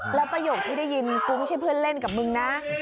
แล้วประโยคที่ได้ยินกูไม่ใช่เพื่อนเล่นกับมึงนะ